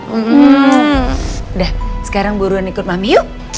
hmm udah sekarang buruan ikut mami yuk